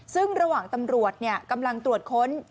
ซึ่งระหว่างตำรวจกำลังตรวจค้น